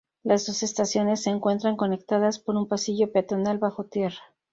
Las dos estaciones se encuentran conectadas por un pasillo peatonal bajo tierra.